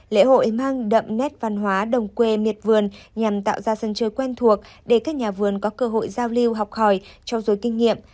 lễ hội mang đậm nét văn hóa đồng quê miệt vườn nhằm tạo ra sân chơi quen thuộc để các nhà vườn có cơ hội giao lưu học hỏi trao dồi kinh nghiệm